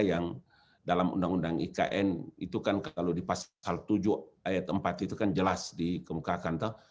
yang dalam undang undang ikn itu kan kalau di pasal tujuh ayat empat itu kan jelas dikemukakan